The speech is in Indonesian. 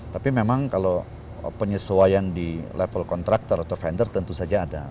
tapi memang kalau penyesuaian di level kontraktor atau vendor tentu saja ada